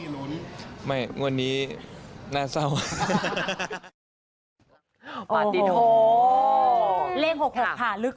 วันนี้มีรุ้น